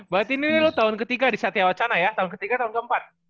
berarti ini lu tahun ketiga di satewacana ya tahun ketiga tahun keempat